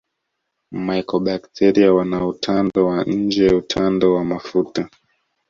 Mycobacteria wana utando wa nje utando wa mafuta